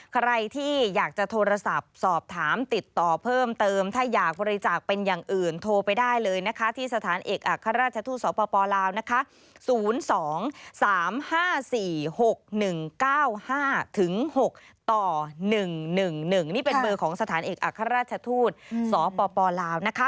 ใครที่อยากจะโทรศัพท์สอบถามติดต่อเพิ่มเติมถ้าอยากบริจาคเป็นอย่างอื่นโทรไปได้เลยนะคะที่สถานเอกอัครราชทูตสปลาวนะคะ๐๒๓๕๔๖๑๙๕๖๑๑๑